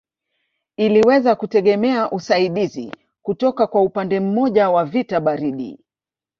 Iliweza kutegemea usaidizi kutoka kwa upande mmoja wa vita baridi